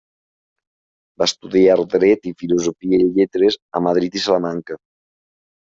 Va estudiar dret i filosofia i lletres a Madrid i Salamanca.